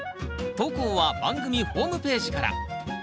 投稿は番組ホームページから。